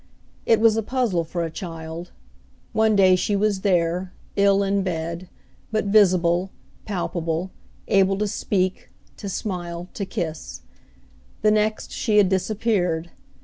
It was a puzzle for a child. One day she was there, ill in bed, but visible, palpable, able to speak, to smile, to kiss, the next, she had disappeared.